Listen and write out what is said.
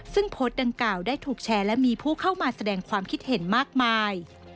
ซึ่งโพสต์ดังกล่าวได้ถูกแชร์และมีผู้เข้ามาแสดงความคิดเห็นมากมาย